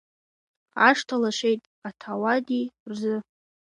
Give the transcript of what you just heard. Ашҭа лашеи, Аҭауади рзы.